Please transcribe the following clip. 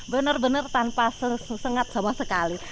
benar benar tanpa sesengat sama sekali